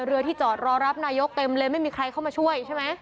เรือที่จอดรอรับนายกเต็มเลยไม่มีใครเข้ามาช่วยใช่ไหม